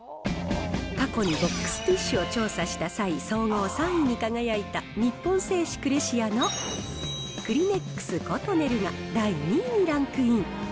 過去にボックスティッシュを調査した際、総合３位に輝いた、日本製紙クレシアのクリネックスコトネルが、第２位にランクイン。